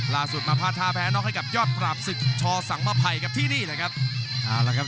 ล่าสุดมาพาททาแพ้นอกให้กับยอดปราบศึกชอสังมาภัยกับที่นี่แหละครับ